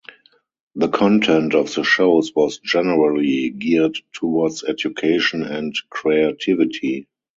The content of the shows was generally geared towards education and creativity.